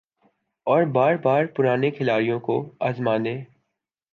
اور بار بار پرانے کھلاڑیوں کو آزمانے